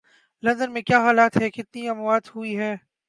London میں کیا حالات ہیں، کتنی اموات ہوئی ہیں